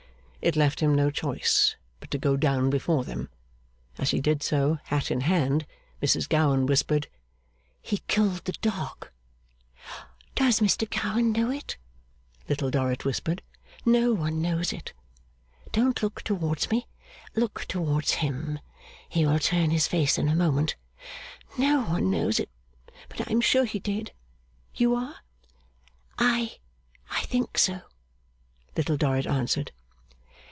It left him no choice but to go down before them. As he did so, hat in hand, Mrs Gowan whispered: 'He killed the dog.' 'Does Mr Gowan know it?' Little Dorrit whispered. 'No one knows it. Don't look towards me; look towards him. He will turn his face in a moment. No one knows it, but I am sure he did. You are?' 'I I think so,' Little Dorrit answered.